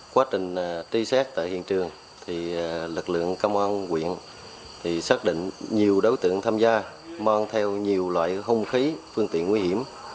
quá trình truy xét tại hiện trường lực lượng công an quyện xác định nhiều đối tượng tham gia mang theo nhiều loại hung khí phương tiện nguy hiểm